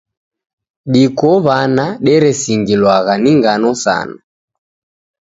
Diko w'ana deresingilwagha ni ngano sana.